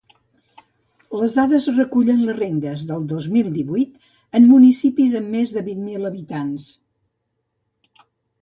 Les dades recullen les rendes del dos mil divuit en municipis amb més de vint mil habitants.